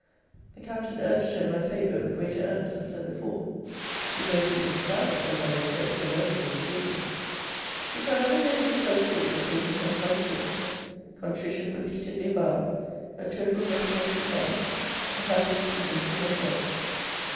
The Captain urged her in my favour with greater earnestness than before. We both even clamoured, as I may say, for mercy and forgiveness. [Didst thou never hear the good folks talk of taking Heaven by storm?] Contrition repeatedly avowed; a total reformation promised; the happy expedient again urged.